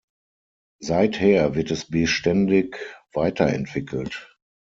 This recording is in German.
Seither wird es beständig weiter entwickelt.